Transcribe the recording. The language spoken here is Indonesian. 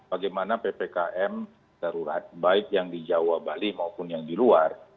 bagaimana ppkm darurat baik yang di jawa bali maupun yang di luar